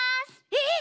えっ！？